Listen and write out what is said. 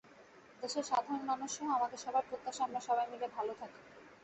দেশের সাধারণ মানুষসহ আমাদের সবার প্রত্যাশা আমরা সবাই মিলে ভালো থাকি।